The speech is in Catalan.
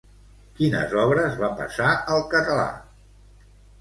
Quines obres va passar al català?